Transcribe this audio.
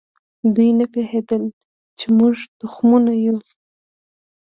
دوی نه پوهېدل چې موږ تخمونه یو.